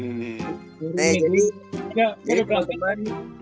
gue udah berangkat pagi